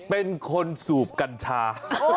เป็นคนสูบกัญชา